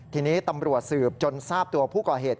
ทีนี้ตำรวจสืบจนทราบตัวผู้ก่อเหตุ